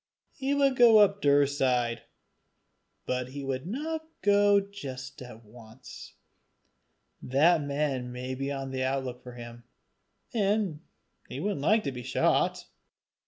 He would go up Daurside; but he would not go just at once; that man might be on the outlook for him, and he wouldn't like to be shot.